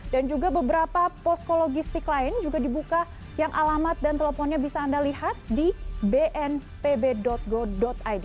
dan juga beberapa posko logistik lain juga dibuka yang alamat dan teleponnya bisa anda lihat di bnpb go id